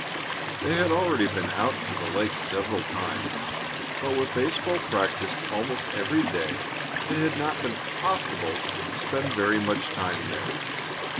They had already been out to the lake several times, but with baseball practise almost every day, it had not been possible to spend very much time there.